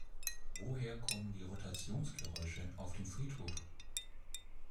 Woher kommen die Rotationsgeräusche auf dem Friedhof?